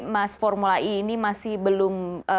mas formula e ini masih belum